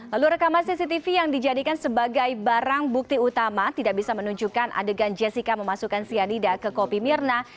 lalu rekaman cctv yang dijadikan sebagai barang bukti utama tidak bisa menunjukkan adegan jessica memasukkan cyanida ke kopi mirna